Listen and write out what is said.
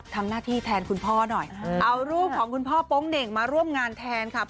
ทำหน้าที่แทนคุณพ่อหน่อยเอารูปของคุณพ่อโป๊งเหน่งมาร่วมงานแทนค่ะ